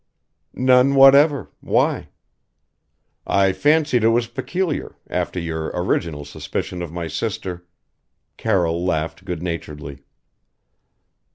"None whatever. Why?" "I fancied it was peculiar after your original suspicion of my sister " Carroll laughed good naturedly.